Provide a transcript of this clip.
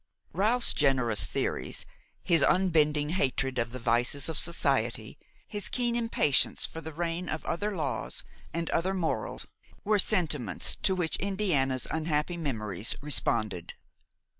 Ralph's generous theories, his unbending hatred of the vices of society, his keen impatience for the reign of other laws and other morals were sentiments to which Indiana's unhappy memories responded.